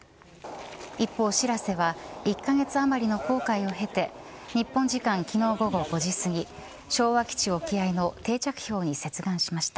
一方、しらせは１カ月あまりの航海を経て日本時間、昨日午後５じすぎ昭和基地沖合の定着氷に接岸しました。